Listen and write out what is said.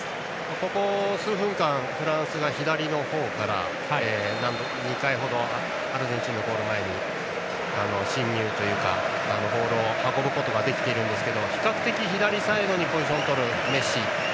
ここ数分間フランスが左の方から２回ほどアルゼンチンのゴール前にボールを運べているんですが比較的左サイドにポジションを取るメッシ。